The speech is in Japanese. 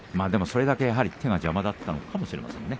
それだけ手が邪魔だったのかもしれませんね。